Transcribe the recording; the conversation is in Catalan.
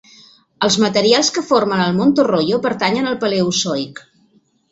Els materials que formen el Montorroio pertanyen al paleozoic.